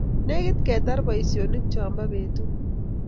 Negit ketar boisyonik chok chebo petut.